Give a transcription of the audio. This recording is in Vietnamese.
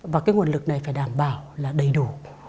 và cái nguồn lực này phải đảm bảo là đầy đủ